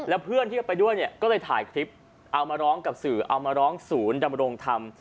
แล้วเพื่อนที่เอาไปด้วยเนี่ยก็เลยถ่ายคลิปเอามาร้องกับสื่อเอามาร้องศูนย์ดำรงธรรม